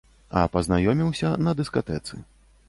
А пазнаёміўся на дыскатэцы.